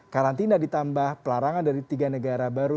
karantina ditambah pelarangan dari tiga negara baru